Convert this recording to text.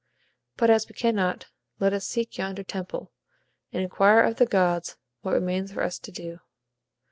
But as we cannot, let us seek yonder temple, and inquire of the gods what remains for us to do."